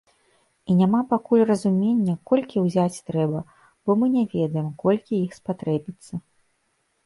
І няма пакуль разумення, колькі ўзяць трэба, бо мы не ведаем, колькі іх спатрэбіцца.